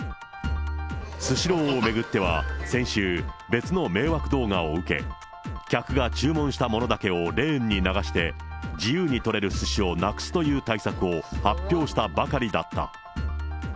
スシローを巡っては先週、別の迷惑動画を受け、客が注文したものだけをレーンに流して、自由に取れるすしをなくすという対策を発表したばかりだった。